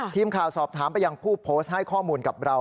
ทีมข่าวสอบถามไปยังผู้โพสต์ให้ข้อมูลกับเรา